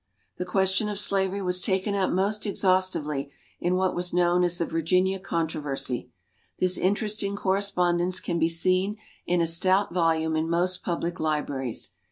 The question of slavery was taken up most exhaustively in what was known as the "Virginia Controversy." This interesting correspondence can be seen in a stout volume in most public libraries.